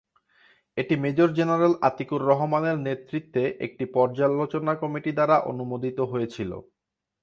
এটি major general Atiqur রহমানের নেতৃত্বে একটি পর্যালোচনা কমিটি দ্বারা অনুমোদিত হয়েছিল।